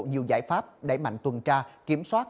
nhiều giải pháp đẩy mạnh tuần tra kiểm soát